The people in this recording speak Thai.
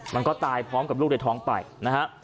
มันก็ตายพร้อมกับลูกในท้องไปนะฮะ